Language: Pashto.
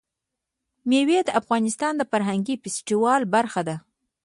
مېوې د افغانستان د فرهنګي فستیوالونو برخه ده.